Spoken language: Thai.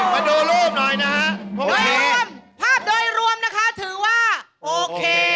ภาพโดยรวมนะคะถือว่าโอเค